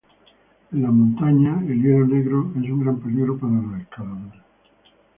En las montañas, el hielo negro es un gran peligro para los escaladores.